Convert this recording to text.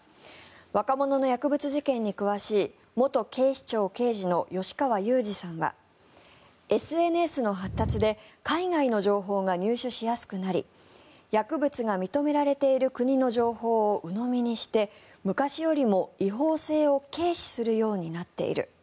若者の薬物事件に詳しい元警視庁刑事の吉川祐二さんはＳＮＳの発達で海外の情報が入手しやすくなり薬物が認められている国の情報をうのみにして昔よりも違法性を軽視するようになっている。